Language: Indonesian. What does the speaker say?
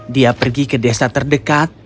dia pergi ke desa terdekat